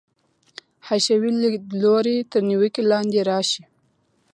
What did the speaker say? حشوي لیدلوری تر نیوکې لاندې راشي.